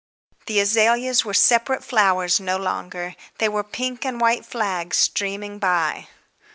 The azaleas were separate flowers no longer; they were pink and white flags streaming by.